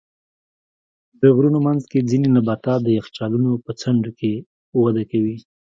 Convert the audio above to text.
د غرونو منځ کې ځینې نباتات د یخچالونو په څنډو کې وده کوي.